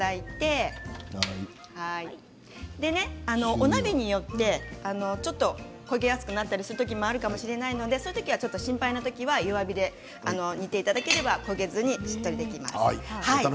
お鍋によって焦げやすくなったりするかもしれないのでそういった時は心配な時は弱火で煮ていただければ焦げずにしっとりできます。